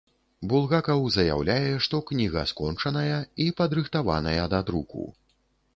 Булгакаў заяўляе, што кніга скончаная і падрыхтаваная да друку.